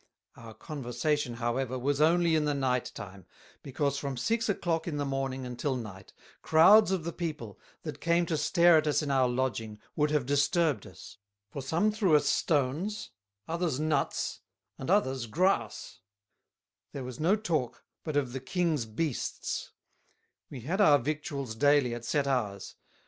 Our conversation, however, was only in the Night time; because from Six a clock in the morning until night, Crowds of the People, that came to stare at us in our Lodging, would have disturbed us: For some threw us Stones, others Nuts, and others Grass; there was no talk, but of the Kings Beasts; we had our Victuals daily at set hours.